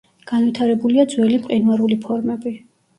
განვითარებულია ძველი მყინვარული ფორმები.